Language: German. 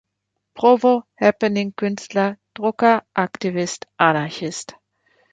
Provo, Happening-Künstler, Drucker, Aktivist, Anarchist.